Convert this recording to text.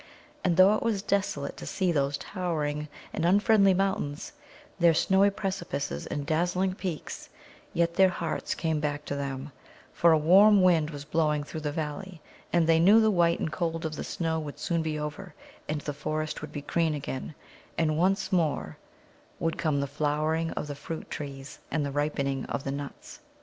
And though it was desolate to see those towering and unfriendly mountains, their snowy precipices and dazzling peaks, yet their hearts came back to them, for a warm wind was blowing through the valley, and they knew the white and cold of the snow would soon be over, and the forest be green again, and once more would come the flowering of the fruit trees, and the ripening of the nuts.